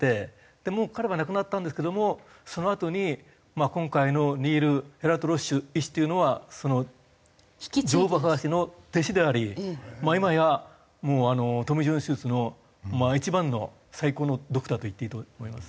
もう彼は亡くなったんですけどもそのあとに今回のニール・エルアトラッシュ医師っていうのはそのジョーブ博士の弟子であり今やもうトミー・ジョン手術の一番の最高のドクターといっていいと思います。